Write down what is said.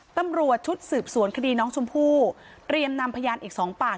ตำรวจชุดสืบสวนคดีน้องชมพู่เตรียมนำพยานอีกสองปาก